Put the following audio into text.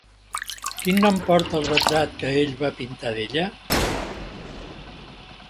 Quin nom porta el retrat que ell va pintar d'ella?